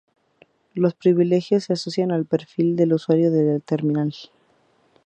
Los privilegios se asocian al perfil del usuario del terminal.